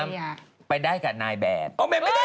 เมียไม่ได้กับอย่าไม่ได้กัน